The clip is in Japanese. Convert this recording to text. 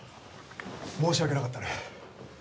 申し訳なかったね。